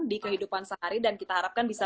di kehidupan sehari dan kita harapkan bisa